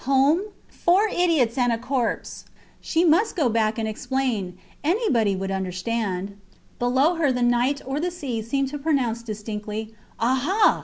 Home! Four idiots and a corpse. She must go back and explain. Anybody would understand. ... Below her the night or the sea seemed to pronounce distinctly Aha!